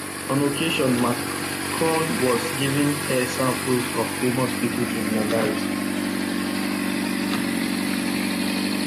On occasion, McCrone was given hair samples of famous people to analyze.